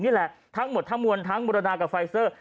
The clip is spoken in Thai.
นี่แหละทั้งหมดทั้งมวลทั้งบุรณากับไฟเซอร์